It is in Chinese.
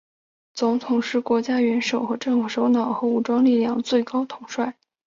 总统是国家元首和政府首脑和武装力量最高统帅。